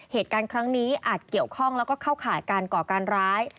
เหตุการณ์ครั้งนี้อาจเกี่ยวข้องแล้วก็เข้าข่ายการก่อการร้าย